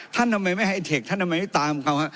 ท่านทำไมไม่ไฮเทคทำไมไม่ตามเขา